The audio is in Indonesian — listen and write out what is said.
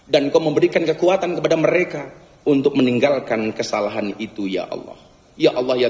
dan kau memberikan kekuatan kepada mereka untuk meninggalkan kesalahan itu ya allah ya allah ya